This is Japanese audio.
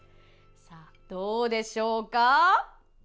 さあ、どうでしょうか？